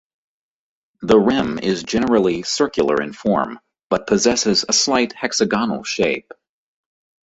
The rim is generally circular in form, but possesses a slight hexagonal shape.